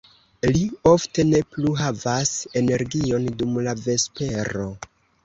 Ri ofte ne plu havas energion dum la vespero.